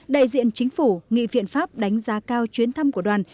đại diện chính phủ nghị viện pháp đánh giá cao chuyến thăm của đoàn